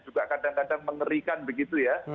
juga kadang kadang mengerikan begitu ya